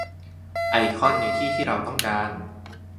ไอคอนในที่ที่เราต้องการ